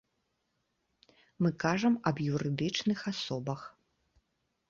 Мы кажам аб юрыдычных асобах.